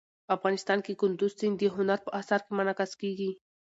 افغانستان کې کندز سیند د هنر په اثار کې منعکس کېږي.